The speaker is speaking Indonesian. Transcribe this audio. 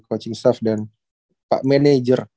coaching staff dan pak manager